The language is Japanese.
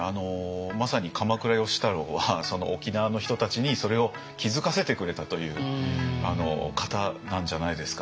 まさに鎌倉芳太郎は沖縄の人たちにそれを気づかせてくれたという方なんじゃないですかね。